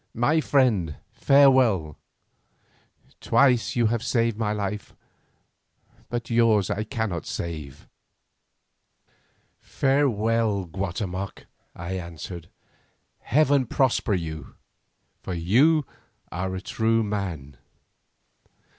My friend, farewell. Twice you have saved my life, but yours I cannot save." "Farewell, Guatemoc," I answered "heaven prosper you, for you are a true man."